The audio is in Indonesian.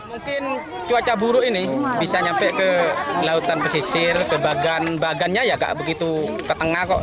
mungkin cuaca buruk ini bisa nyampe ke lautan pesisir ke bagan bagannya ya nggak begitu ke tengah kok